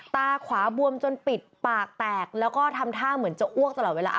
ตาขวาบวมจนปิดปากแตกแล้วก็ทำท่าเหมือนจะอ้วกตลอดเวลา